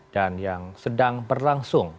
dan yang sedang berlangsung